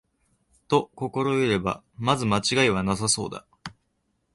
と心得れば、まず間違いはなさそうだ